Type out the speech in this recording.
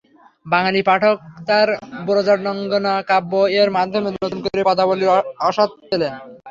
বাঙালি পাঠক তাঁর ব্রজাঙ্গনা কাব্য-এর মাধ্যমে নতুন করে পদাবলির আস্বাদ পেলেন।